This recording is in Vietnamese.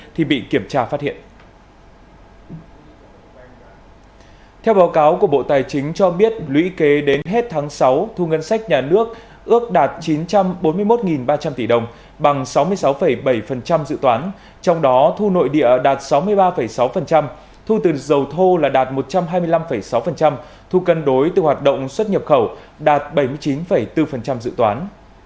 theo báo cáo của bộ tài chính cho biết lũy kế đến hết tháng sáu thu ngân sách nhà nước ước đạt chín trăm bốn mươi một ba trăm linh tỷ đồng bằng sáu mươi sáu bảy dự toán trong đó thu nội địa đạt sáu mươi ba sáu thu từ dầu thô là đạt một trăm hai mươi năm sáu thu cân đối từ hoạt động xuất nhập khẩu đạt bảy mươi chín bốn dự toán